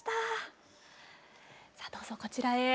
さあどうぞこちらへ。